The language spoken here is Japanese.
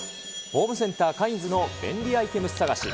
ホームセンター、カインズの便利アイテム探し。